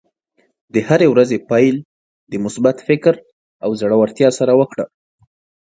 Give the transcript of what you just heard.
د هرې ورځې پیل د مثبت فکر او زړۀ ورتیا سره وکړه.